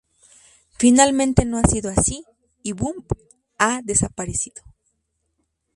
Finalmente no ha sido así, y Bump ha desaparecido.